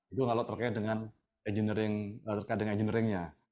itu kalau terkait dengan engineering nya